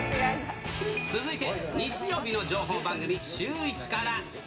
続いて、日曜日の情報番組、シューイチから。